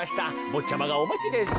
ぼっちゃまがおまちです。